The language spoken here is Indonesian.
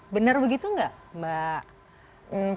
benar begitu nggak mbak